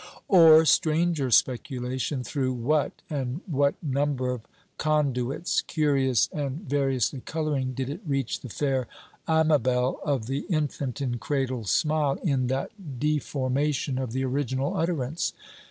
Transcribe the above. Or, stranger speculation, through what, and what number of conduits, curious, and variously colouring, did it reach the fair Amabel of the infant in cradle smile, in that deformation of the original utterance!